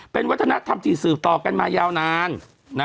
เป็นวัฒนธรรมที่สืบต่อกันมายาวนาน